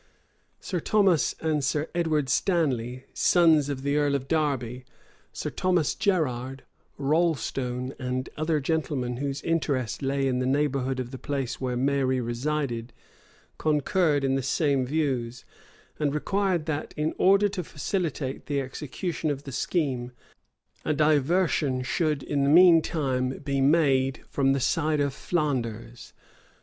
[*] Sir Thomas and Sir Edward Stanley, sons of the earl of Derby, Sir Thomas Gerrard, Rolstone, and other gentlemen whose interest lay in the neighborhood of the place where Mary resided, concurred in the same views; and required that, in order to facilitate the execution of the scheme, a diversion should in the mean time be made from the side of Flanders.